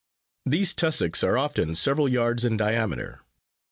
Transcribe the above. These tussocks are often several yards in diameter.